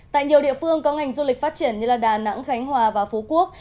tại nhiều địa phương có ngành du lịch phát triển như đà nẵng khánh hòa và phú quốc